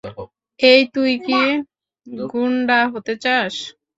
এই, তুই কি গুণ্ডা হতে চাস?